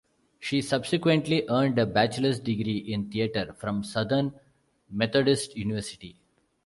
She subsequently earned a bachelor's degree in theater from Southern Methodist University.